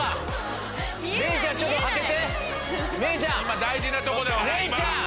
今大事なとこだから！